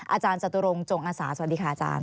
อาจารย์จตุรงจงอาสาสวัสดีค่ะอาจารย